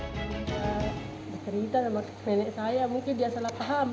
saya cerita sama nenek saya mungkin dia salah paham